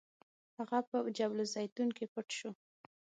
هغه په جبل الزیتون کې پټ شو.